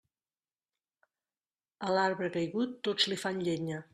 A l'arbre caigut, tots li fan llenya.